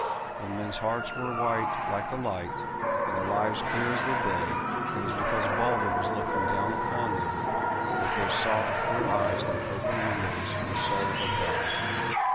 When men's hearts were white like the light, and their lives clear as the day, it was because Balder was looking down upon them with those soft, clear eyes that were open windows to the soul of God.